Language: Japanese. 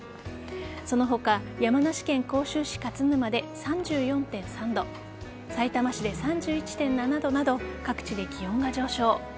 その他山梨県甲州市勝沼で３４．３度さいたま市で３１．７度など各地で気温が上昇。